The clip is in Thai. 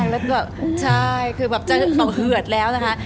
แล้วก็ใช่คือแบบจะเหือดแล้วนะคะ